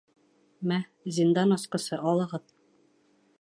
Мә, зиндан асҡысы, алығыҙ.